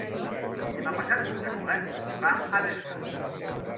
Demà passat na Cloè va a Berga.